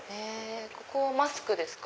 ここはマスクですか。